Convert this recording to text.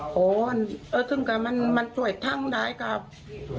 ไฟฟ้าไฟฟ้าลัดวงจร